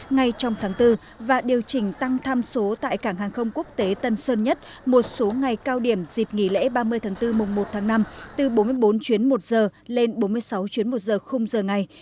ngay trong tháng bốn và điều chỉnh tăng tham số tại cảng hàng không quốc tế tân sơn nhất một số ngày cao điểm dịp nghỉ lễ ba mươi tháng bốn mùng một tháng năm từ bốn mươi bốn chuyến một giờ lên bốn mươi sáu chuyến một giờ khung giờ ngày